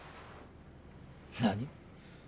何？